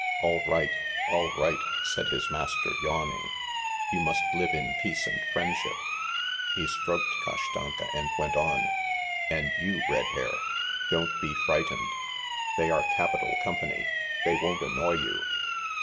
"All right, all right," said his master, yawning. "You must live in peace and friendship." He stroked Kashtanka and went on: "And you, redhair, don't be frightened. ... They are capital company, they won't annoy you.